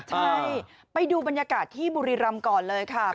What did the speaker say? ใช่ไปดูบรรยากาศที่บุรีรำก่อนเลยค่ะ